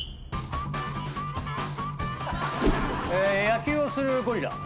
野球をするゴリラ。